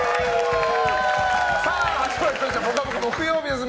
さあ、始まりました「ぽかぽか」木曜日です。